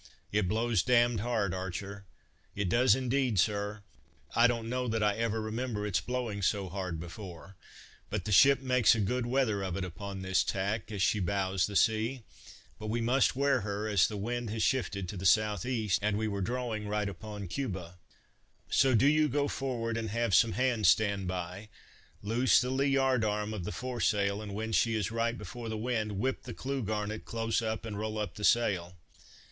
"It blows damned hard Archer." "It does indeed, Sir." "I don't know that I ever remember its blowing so hard before, but the ship makes a good weather of it upon this tack as she bows the sea; but we must wear her, as the wind has shifted to the south east, and we were drawing right upon Cuba; so do you go forward, and have some hands stand by; loose the lee yard arm of the fore sail, and when she is right before the wind, whip the clue garnet close up, and roll up the sail."